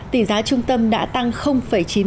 tỷ giá trung tâm đã tăng chín mươi sáu